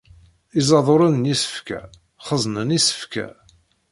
Izaduren n yisefka xezznen isefka.